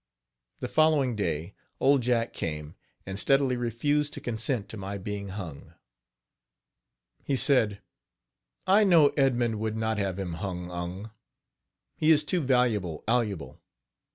The following day, Old Jack came, and steadily refused to consent to my being hung. He said: "I know Edmund would not have him hung ung. He is too valuable aluable.